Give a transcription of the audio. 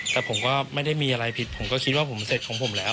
แต่ผมก็ไม่ได้มีอะไรผิดผมก็คิดว่าผมเสร็จของผมแล้ว